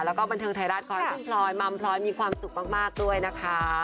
แล้วก็บันเทิงไทยรัฐขอให้คุณพลอยมัมพลอยมีความสุขมากด้วยนะคะ